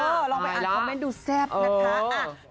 ลองไปอ่านคอมเมนต์ดูแซ่บนะคะ